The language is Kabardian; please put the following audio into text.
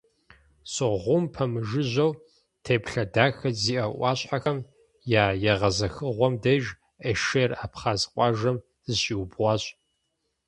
Согъум пэмыжыжьэу, теплъэ дахэ зиӀэ Ӏуащхьэхэм я егъэзыхыгъуэм деж, Эшер абхъаз къуажэм зыщиубгъуащ.